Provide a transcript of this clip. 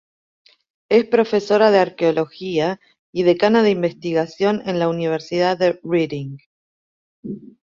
Es Profesora de Arqueología y Decana de Investigación en la Universidad de Reading.